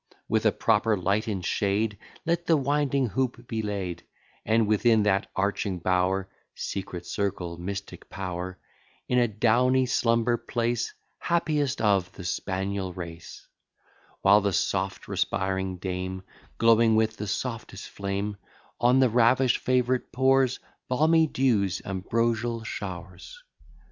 With a proper light and shade, Let the winding hoop be laid; And within that arching bower, (Secret circle, mystic power,) In a downy slumber place Happiest of the spaniel race; While the soft respiring dame, Glowing with the softest flame, On the ravish'd favourite pours Balmy dews, ambrosial showers.